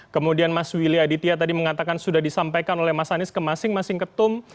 kemudian mas willy aditya tadi mengatakan sudah disampaikan oleh mas anies ke masing masing ketum